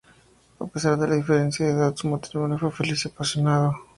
A pesar de la diferencia de edad, su matrimonio fue feliz y apasionado.